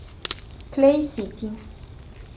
Clay City